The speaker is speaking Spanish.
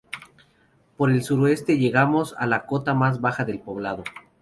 Por el sudoeste llegamos a la cota más baja del poblado.